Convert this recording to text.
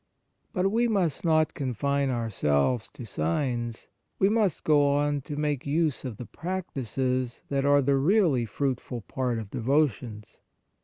But we must not confine ourselves to signs ; we must go on to make use of the practices that are the really fruitful part of devotions.